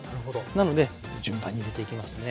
なので順番に入れていきますね。